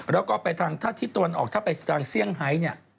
แล้วก็ถ้าที่ออกไปทางเซียงไฮน์